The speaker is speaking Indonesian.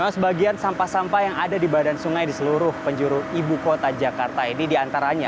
sebagian sampah sampah yang ada di badan sungai di seluruh penjuru ibu kota jakarta ini diantaranya